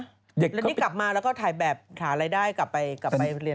เด็กเขาเป็นแล้วนี่กลับมาแล้วก็ถ่ายแบบถ่ายอะไรได้กลับไปเรียน